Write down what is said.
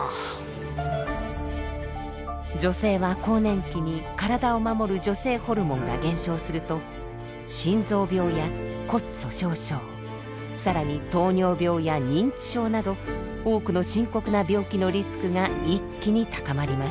女性は更年期に体を守る女性ホルモンが減少すると心臓病や骨粗しょう症更に糖尿病や認知症など多くの深刻な病気のリスクが一気に高まります。